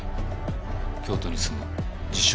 京都に住む自称